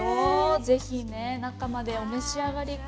是非ね中までお召し上がりください。